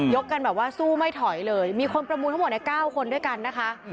กันแบบว่าสู้ไม่ถอยเลยมีคนประมูลทั้งหมดใน๙คนด้วยกันนะคะ